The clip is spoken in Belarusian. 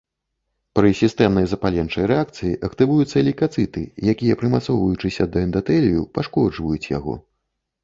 Пры сістэмнай запаленчай рэакцыі актывуюцца лейкацыты, якія прымацоўваючыся да эндатэлію пашкоджваюць яго.